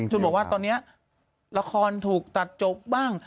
บอกว่าตอนนี้ละครถูกตัดจบบ้าง